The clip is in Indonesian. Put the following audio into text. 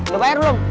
lo bayar belum